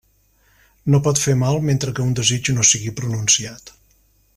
No pot fer mal mentre que un desig no sigui pronunciat.